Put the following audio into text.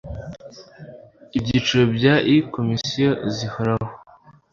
icyiciro cya ii komisiyo zihoraho